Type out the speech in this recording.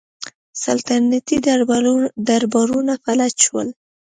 سلطنتي دربارونه فلج شول